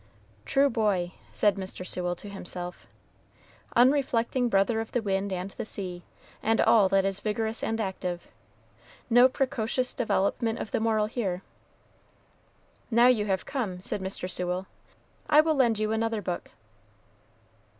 "True boy," said Mr. Sewell to himself, "unreflecting brother of the wind and the sea, and all that is vigorous and active no precocious development of the moral here." "Now you have come," said Mr. Sewell, "I will lend you another book."